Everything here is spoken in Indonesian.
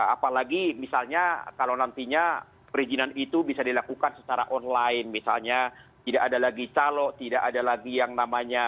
apalagi misalnya kalau nantinya perizinan itu bisa dilakukan secara online misalnya tidak ada lagi calok tidak ada lagi yang namanya